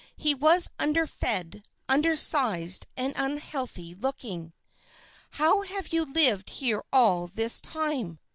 He was underfed, undersized, and unhealthy looking. "How have you lived here all this time?"